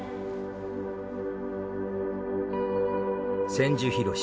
千住博